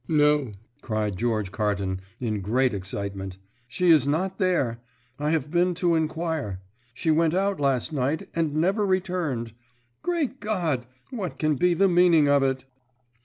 "No," cried George Carton, in great excitement, "she is not there. I have been to inquire. She went out last night, and never returned. Great God! What can be the meaning of it?"